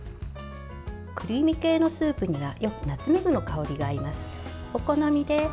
クリーム系のスープにはよくナツメグの香りが合います。